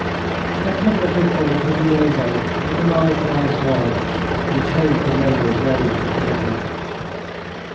Nekhludoff recalled his liaison with the Marechal's wife, and shameful memories rose before him.